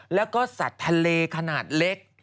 แล้วก็สัตว์ทะเลขนาดเล็ก